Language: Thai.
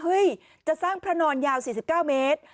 จะสร้างพระนอนยาว๔๙เมตร